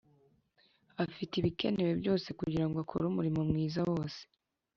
afite ibikenewe byose kugira ngo akore umurimo mwiza wose